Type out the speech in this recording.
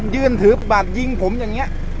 ยืนถือบัตรยิงผมอย่างนี้